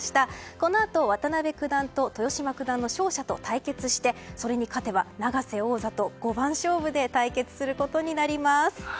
このあと、渡辺九段と豊島九段の勝者と対決して、それに勝てば永瀬王座と五番勝負で対決することになります。